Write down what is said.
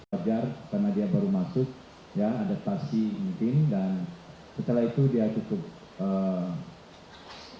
karena dia baru masuk ya ada pasti mungkin dan setelah itu dia cukup bermain